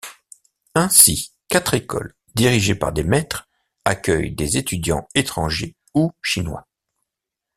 Ainsi, quatre écoles, dirigées par des maîtres, accueillent des étudiants étrangers ou chinois.